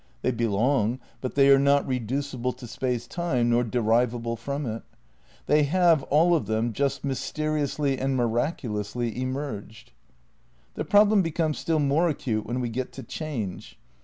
They belong but they are not reducible to Space Time nor derivable from it. They have, aU of them, just mysteriously and miraculously '' emerged. '' The problem becomes still more acute when we get to Change.